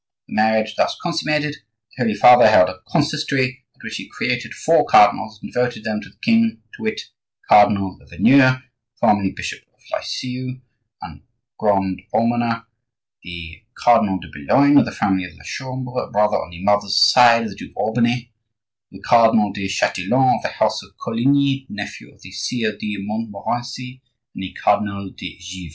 The marriage thus consummated, the Holy Father held a consistory at which he created four cardinals and devoted them to the king,—to wit: Cardinal Le Veneur, formerly bishop of Lisieux and grand almoner; the Cardinal de Boulogne of the family of la Chambre, brother on the mother's side of the Duke of Albany; the Cardinal de Chatillon of the house of Coligny, nephew of the Sire de Montmorency, and the Cardinal de Givry."